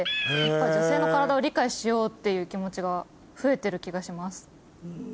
女性の体を理解しようっていう気持ちが増えてる気がします。